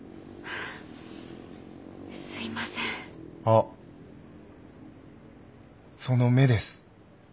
あっその目です。